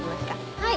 はい。